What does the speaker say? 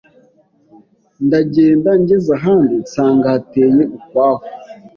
Ndagenda ngeze ahandi nsanga hateye ukwaho